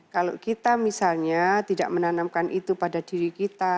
kalau kita misalnya tidak menanamkan itu pada diri kita